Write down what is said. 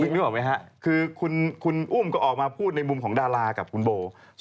นึกออกไหมฮะคือคุณอุ้มก็ออกมาพูดในมุมของดารากับคุณโบ